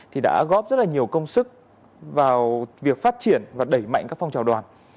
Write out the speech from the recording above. thì đã góp rất là nhiều công sức vào việc phát triển và đẩy mạnh các phong trào đoàn